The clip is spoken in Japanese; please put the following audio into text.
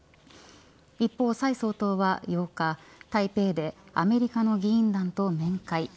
一方、蔡総統は８日台北でアメリカの議員団と面会。